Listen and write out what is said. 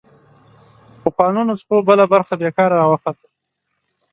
پخوانو نسخو بله برخه بېکاره راوخته